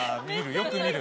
よく見る。